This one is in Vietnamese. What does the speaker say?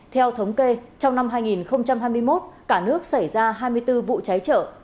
theo thống kê trong năm hai nghìn hai mươi một cả nước xảy ra hai mươi bốn vụ cháy trợ